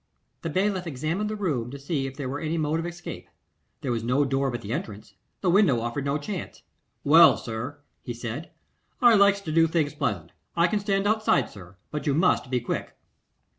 The bailiff examined the room to see if there were any mode of escape; there was no door but the entrance; the window offered no chance. 'Well, sir,' he said, 'I likes to do things pleasant. I can stand outside, sir; but you must be quick.